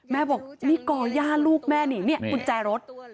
บอกนี่ก่อย่าลูกแม่นี่กุญแจรถ